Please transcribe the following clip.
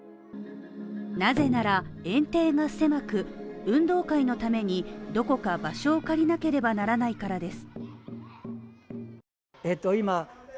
なぜなら、園庭が狭く、運動会のためにどこか場所を借りなければならないからです。